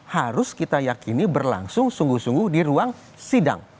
harus kita yakini berlangsung sungguh sungguh di ruang sidang